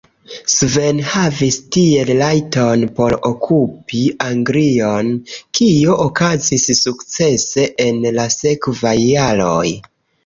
Sven havis tiel rajton por okupi Anglion, kio okazis sukcese en la sekvaj jaroj.